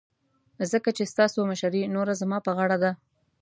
ځکه چې ستاسو مشرې نوره زما په غاړه ده.